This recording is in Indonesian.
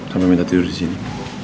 sampai minta tidur disini